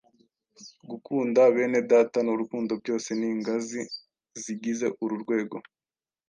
gukunda bene Data n’urukundo byose ni ingazi zigize uru rwego.